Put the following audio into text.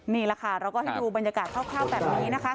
นี่แหละค่ะเราก็ให้ดูบรรยากาศคร่าวแบบนี้นะคะ